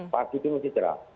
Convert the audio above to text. pagi itu mesti cerah